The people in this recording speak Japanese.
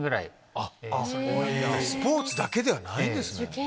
スポーツだけではないんですね。